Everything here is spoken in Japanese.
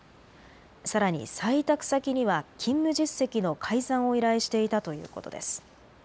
さらに再委託先には勤務実績の改ざんを依頼していたということです。